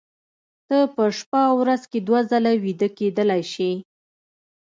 ته په شپه ورځ کې دوه ځله ویده کېدلی شې